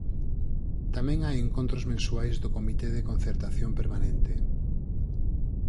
Tamén hai encontros mensuais do Comité de Concertación Permanente.